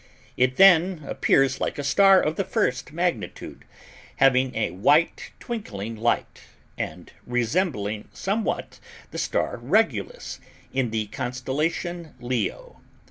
It then appears like a star of the first magnitude, having a white twinkling light, and resembling somewhat the star Regulus in the constellation Leo.